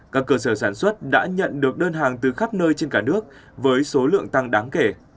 các cơ sở sản xuất đã nhận được đơn hàng từ khắp nơi trên cả nước với số lượng tăng đáng kể